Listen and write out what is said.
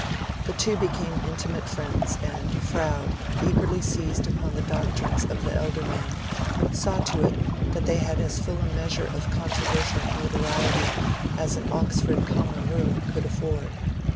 The two became intimate friends, and Froude, eagerly seizing upon the doctrines of the elder man, saw to it that they had as full a measure of controversial notoriety as an Oxford common room could afford.